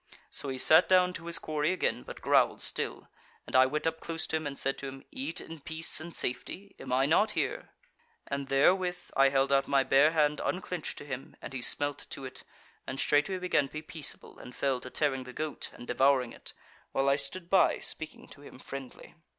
So he sat down to his quarry again, but growled still, and I went up close to him, and said to him: 'Eat in peace and safety, am I not here?' And therewith I held out my bare hand unclenched to him, and he smelt to it, and straightway began to be peaceable, and fell to tearing the goat, and devouring it, while I stood by speaking to him friendly.